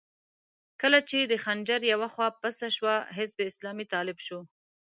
کله چې د خنجر يوه خوا پڅه شوه، حزب اسلامي طالب شو.